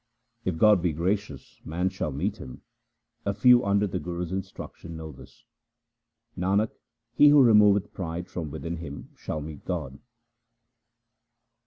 If God be gracious, man shall meet Him ; a few under the Guru's instruction know this. Nanak, he who removeth pride from within him, shall meet God.